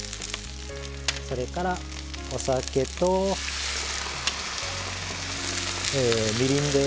それからお酒とみりんです。